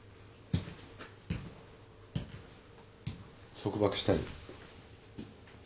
束縛したい？